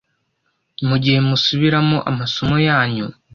mu gihe musubiramo amasomo yanyu.